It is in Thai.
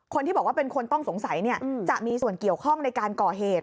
คนที่บอกว่าเป็นคนต้องสงสัยจะมีส่วนเกี่ยวข้องในการก่อเหตุ